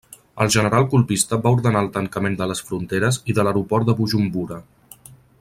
El general colpista va ordenar el tancament de les fronteres i de l'aeroport de Bujumbura.